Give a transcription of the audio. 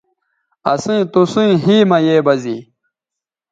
اسئیں توسئیں ھے مہ یے بزے